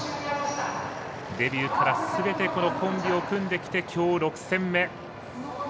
デビューからすべてコンビを組んできてきょう６戦目。